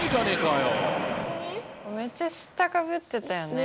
めっちゃ知ったかぶってたよね。